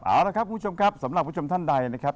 เอาละครับคุณผู้ชมครับสำหรับผู้ชมท่านใดนะครับ